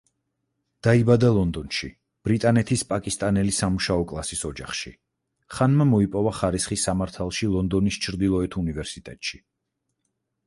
დაიბადა ლონდონში, ბრიტანეთის პაკისტანელი სამუშაო კლასის ოჯახში, ხანმა მოიპოვა ხარისხი სამართალში ლონდონის ჩრდილოეთ უნივერსიტეტში.